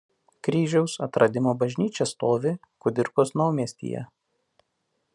Kryžiaus Atradimo bažnyčia stovi Kudirkos Naumiestyje.